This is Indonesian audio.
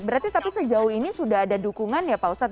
berarti tapi sejauh ini sudah ada dukungan ya pak ustadz